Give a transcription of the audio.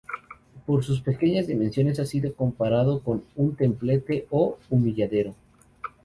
Por sus pequeñas dimensiones, ha sido comparado con un templete o humilladero.